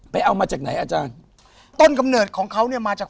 เอามาจากไหนอาจารย์ต้นกำเนิดของเขาเนี่ยมาจาก